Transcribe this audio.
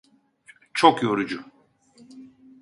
Çok yorucu.